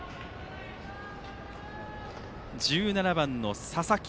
１７番の佐々木。